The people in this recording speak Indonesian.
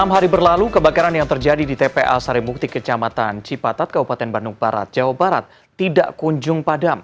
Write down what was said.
enam hari berlalu kebakaran yang terjadi di tpa sarimukti kecamatan cipatat kabupaten bandung barat jawa barat tidak kunjung padam